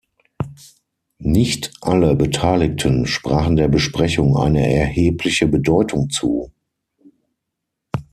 Nicht alle Beteiligten sprachen der Besprechung eine erhebliche Bedeutung zu.